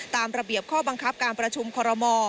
ตามระเบียบข้อบังคับการประชุมคอรมอ